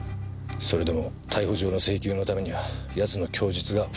それでも逮捕状の請求のためには奴の供述が不可欠だった。